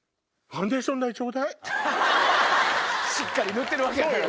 しっかり塗ってるわけやからな。